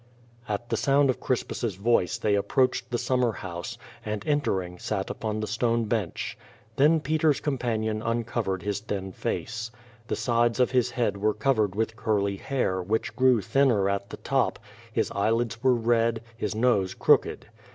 At the sound of Crispus' voice they approached the summer house, and entering, sat upon the stone i)encli. Then Peter's companion uncovered his thin face. The sides of his head were covered with curly hair, which grew thinner at the top, his eyelids were red, his nose crooked.